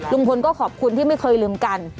ลุงพลก็ขอบคุณที่ไม่เคยลืมกัน